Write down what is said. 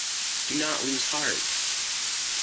Do not lose heart!